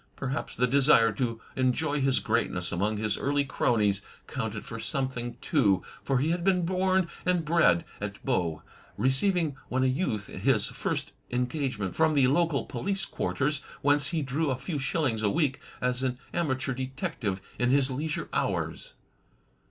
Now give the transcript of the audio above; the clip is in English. Perhaps the desire to enjoy his greatness among his early cronies cotmted for something, too, for he had been bom and bred at Bow, receiving when a youth his first engagement from the local poHce quarters, whence he drew a few shillings a week as an amateur detective in his leisure hours.